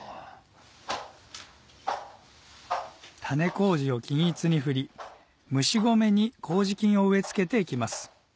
種麹を均一に振り蒸し米に麹菌を植え付けて行きます